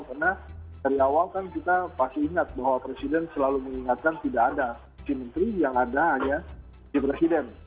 karena dari awal kan kita pasti ingat bahwa presiden selalu mengingatkan tidak ada si menteri yang ada hanya si presiden